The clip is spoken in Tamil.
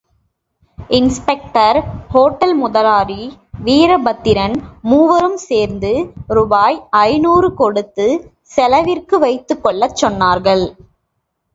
இன்ஸ்பெக்டர், ஓட்டல் முதலாளி, வீரபத்திரன் மூவரும் சேர்ந்து ரூபாய் ஜநூறு கொடுத்து செலவிற்கு வைத்துக் கொள்ளச் சொன்னார்கள்.